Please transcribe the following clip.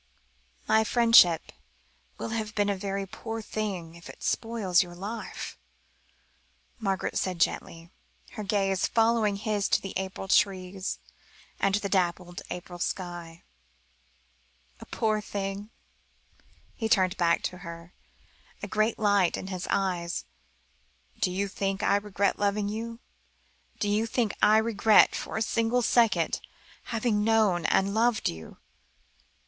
"My friendship will have been a very poor thing if it spoils your life," Margaret said gently, her gaze following his to the April trees, and the dappled April sky. "A poor thing?" He turned back to her, a great light in his eyes. "Do you think I regret loving you? Do you think I regret for a single second, having known and loved you?